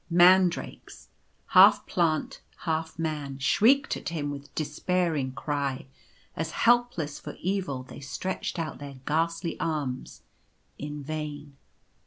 Mandrakes — half plant, half man — shrieked at him with despairing cry, as, helpless for evil, they stretched out their ghastly arms in vain.